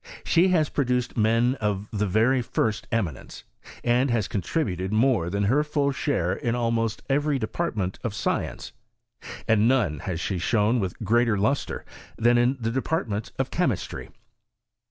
She has pro duced men of the very first eminence, and has con tributed more than her full share in almost every department of science, and in none has she shone with greater lustre than in the department of Che mistry.